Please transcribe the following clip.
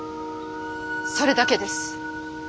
それだけです。